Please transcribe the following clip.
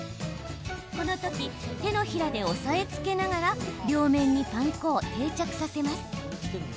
この時手のひらで押さえつけながら両面にパン粉を定着させます。